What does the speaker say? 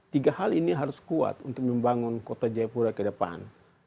tiga hal ini harus kuat untuk membangun kota jayapura ke depan